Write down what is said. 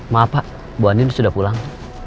maaf pak ibu andin sudah pulang